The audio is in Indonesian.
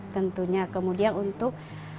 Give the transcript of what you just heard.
tentunya kemudian untuk